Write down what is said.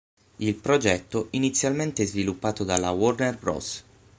Il progetto, inizialmente sviluppato dalla Warner Bros.